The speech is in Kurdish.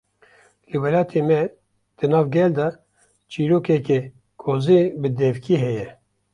Li welatê me, di nav gel de çîrokeke kozê bi devkî heye